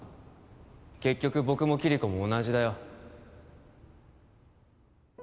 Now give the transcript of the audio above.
結局僕もキリコも同じだよ